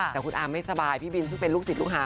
แต่คุณอาร์มไม่สบายพี่บินซึ่งเป็นลูกศิษย์ลูกหา